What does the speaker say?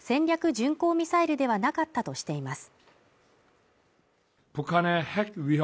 巡航ミサイルではなかったとしています